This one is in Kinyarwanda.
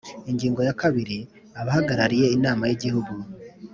Ingingo ya kabiri Abahagarariye Inama y Igihugu